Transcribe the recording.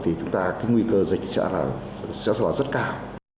thì chúng ta cái nguy cơ dịch sẽ là rất cao